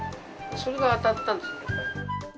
それが当たったんです。